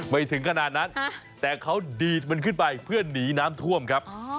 ถึงขนาดนั้นแต่เขาดีดมันขึ้นไปเพื่อหนีน้ำท่วมครับ